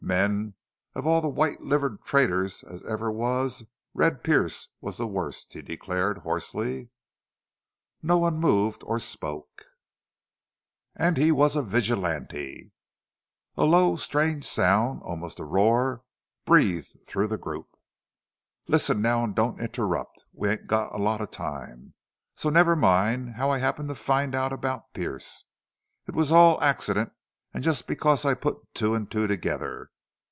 "Men, of all the white livered traitors as ever was Red Pearce was the worst!" he declared, hoarsely. No one moved or spoke. "AN' HE WAS A VIGILANTE!" A low, strange sound, almost a roar, breathed through the group. "Listen now an' don't interrupt. We ain't got a lot of time.... So never mind how I happened to find out about Pearce. It was all accident, an' jest because I put two an' two together....